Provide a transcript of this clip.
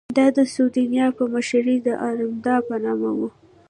دا د سیدونیا په مشرۍ د ارمادا په نامه وه.